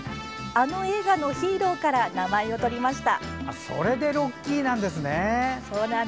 あの映画のヒーローから名前を取りました。